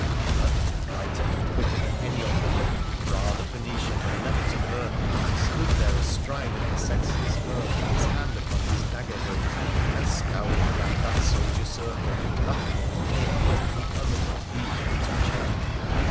But, lighter and quicker than any of them, Ph: the Phoenician had leapt to earth, and stood there astride the senseless girl, his hand upon his dagger hilt, and scowlii round that soldier circle wrathful to think that any other b he should touch her